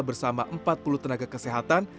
bersama empat puluh tenaga kesehatan